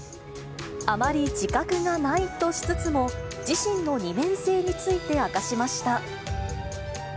あまり自覚がないとしつつも、自身の二面性について明かしました。